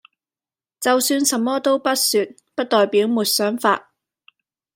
就算什麼都不說，不代表沒想法